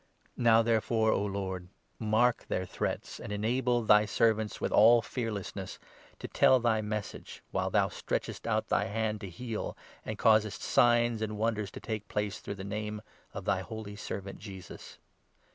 Now, 29 therefore, O Lord, mark their threats, and enable thy servants, with all fearlessness, to tell thy Message, while thou stretchest out 30 thy hand to heal, and causest signs and won ders to take place through the Name of thy holy Servant Jesus."